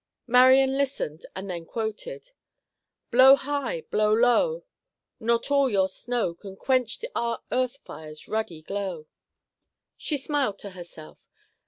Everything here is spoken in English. Marian listened, and then she quoted: "'Blow high, blow low, Not all your snow Can quench our hearth fire's Ruddy glow.'" She smiled to herself.